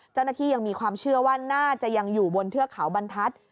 เจ้าหน้าที่ยังมีความเชื่อว่าน่าจะยังอยู่บนเทือกเขาบรรทัศน์